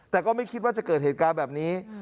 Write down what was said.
แต่ก็ไม่คิดว่าจะเกิดเหตุการณ์แบบนี้